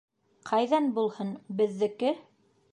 — Ҡайҙан булһын, беҙҙеке.